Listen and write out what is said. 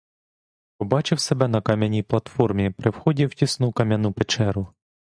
Побачив себе на кам'яній платформі, при вході в тісну кам'яну печеру.